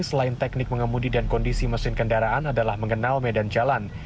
selain teknik mengemudi dan kondisi mesin kendaraan adalah mengenal medan jalan